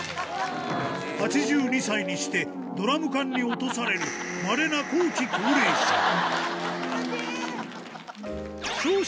８２歳にしてドラム缶に落とされる、まれな後期高齢者。